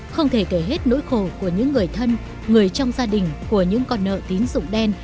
không thể kể hết nỗi khổ của những người thân người trong gia đình của những con nợ tín dụng đen